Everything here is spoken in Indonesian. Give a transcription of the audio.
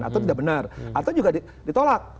atau tidak benar atau juga ditolak